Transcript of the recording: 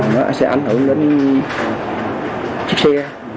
nó sẽ ảnh hưởng đến chiếc xe